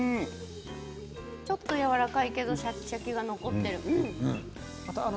ちょっとやわらかいけれどシャキシャキが残っている。